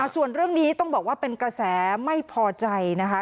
ส่วนเรื่องนี้ต้องบอกว่าเป็นกระแสไม่พอใจนะคะ